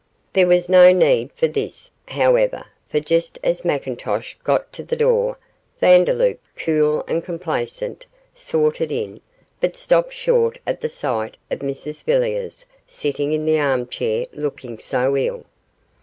There was no need for this, however, for just as McIntosh got to the door, Vandeloup, cool and complacent, sauntered in, but stopped short at the sight of Mrs Villiers sitting in the arm chair looking so ill.